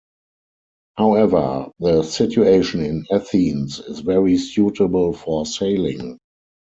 However the situation in Athens is very suitable for sailing.